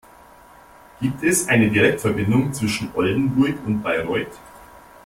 Gibt es eine Direktverbindung zwischen Oldenburg und Bayreuth?